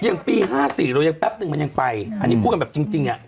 อย่างปี๕๔เรายังแป๊บนึงมันยังไปอันนี้พูดกันแบบจริงอ่ะ